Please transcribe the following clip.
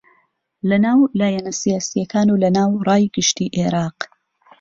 لەناو لایەنە سیاسییەکان و لەناو ڕای گشتی عێراق